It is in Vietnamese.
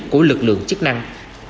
của lực lượng chức năng